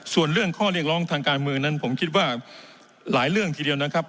ส่วนเรื่องข้อเรียกร้องทางการเมืองนั้นผมคิดว่าหลายเรื่องทีเดียวนะครับ